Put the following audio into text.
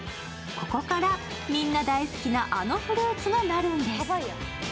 ここからみんな大好きなあのフルーツがなるんです。